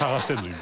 今。